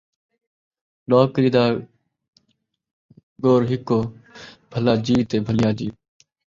نوکری دا گُر ہکو ، بھلا جی تے بھلیا جی